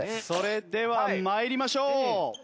それでは参りましょう。